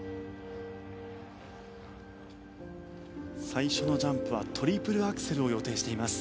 最初のジャンプはトリプルアクセルを予定しています。